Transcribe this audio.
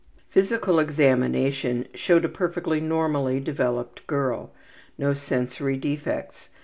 Physical examination showed a perfectly normally developed girl. No sensory defects.